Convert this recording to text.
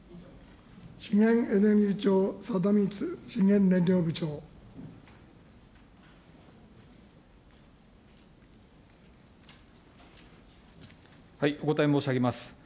資源エネルギー庁、お答え申し上げます。